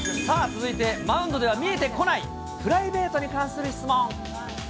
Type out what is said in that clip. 続いて、マウンドでは見えてこない、プライベートに関する質問。